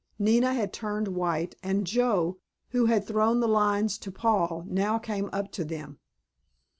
Nina had turned white, and Joe, who had thrown the lines to Paul, now came up to them.